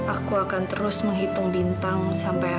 aku dwayne persis akan mengaku dan menangani kamu